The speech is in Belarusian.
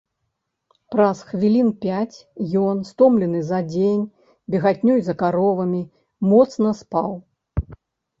Праз хвілін пяць ён, стомлены за дзень бегатнёй за каровамі, моцна спаў.